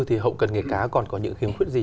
thì hậu cận nghề cá còn có những hiếm khuyết gì